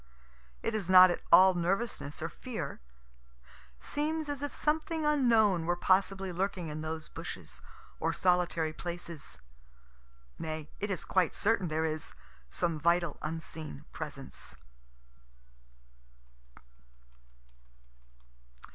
It is not at all nervousness or fear. Seems as if something unknown were possibly lurking in those bushes, or solitary places. Nay, it is quite certain there is some vital unseen presence.